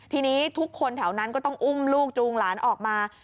ทีนี้ทุกคนแถวนั้นก็ต้องอุ้มลูกจูงหลานออกมา